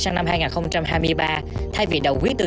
sang năm hai nghìn hai mươi ba thay vì đầu quý tư